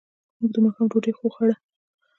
موږ د ماښام ډوډۍ وخوړه.